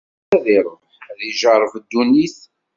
Anef-as ad iṛuḥ, ad ijeṛṛeb ddunit.